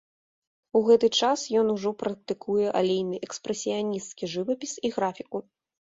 У гэты час ён ужо практыкуе алейны экспрэсіянісцкі жывапіс і графіку.